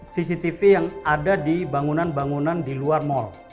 cctv yang ada di bangunan bangunan di luar mal